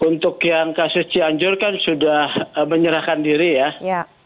untuk yang kasus cianjur kan sudah menyerahkan diri ya